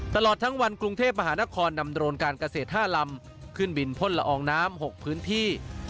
ตลอดทั้งวันกรุงเทพมหานครนำโดรนการเกษตร๕ลำขึ้นบินพ่นละอองน้ำ๖พื้นที่